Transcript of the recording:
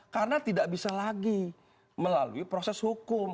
karena tidak bisa lagi melalui proses hukum